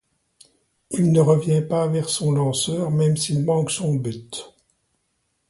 Il ne revient pas vers son lanceur, même s'il manque son but.